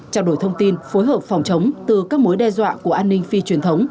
trao đổi thông tin phối hợp phòng chống từ các mối đe dọa của an ninh phi truyền thống